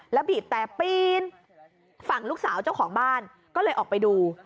แล้วบีบแต่ปีนฝั่งลูกสาวเจ้าของบ้านก็เลยออกไปดู